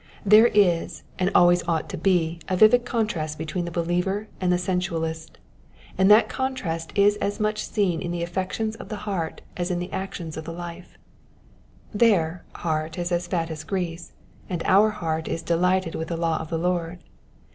There is and always ought to be a vivid contrast between the believer and the sensualist, and that contrast is as much seen in the afifeetions of the heart as in the actions of the life : their heart is as fat as grease, and our heart is delighted with the law of the Lord.